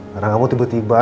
marah kamu tiba tiba